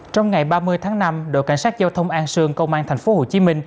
trong ngày ba mươi tháng năm đội cảnh sát giao thông an sương công an tp hcm